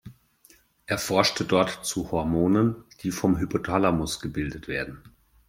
Er forschte dort zu Hormonen, die vom Hypothalamus gebildet werden.